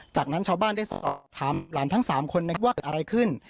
จากนั้นชาวบ้านได้สอบถามหลานทั้ง๓คนว่าเกิดอะไรขึ้น